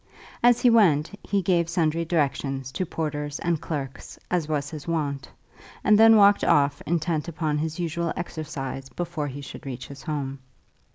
As he went he gave sundry directions to porters and clerks, as was his wont, and then walked off intent upon his usual exercise before he should reach his home.